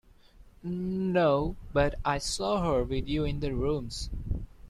No; but I saw her with you in the rooms.